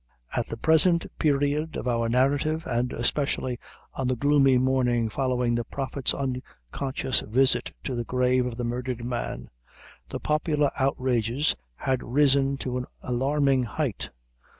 At the present period of our narrative, and especially on the gloomy morning following the Prophet's unconscious visit to the grave of the murdered man, the popular outrages had risen to an alarming height.